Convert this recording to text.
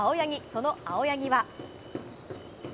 その青柳は。